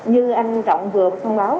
như anh trọng vừa thông báo